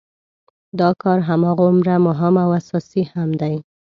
دا کار هماغومره مهم او اساسي هم دی.